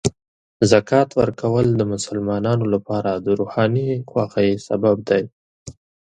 زکات ورکول د مسلمانانو لپاره د روحاني خوښۍ سبب دی.